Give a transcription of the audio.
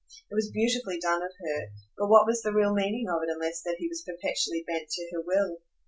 It was beautifully done of her, but what was the real meaning of it unless that he was perpetually bent to her will?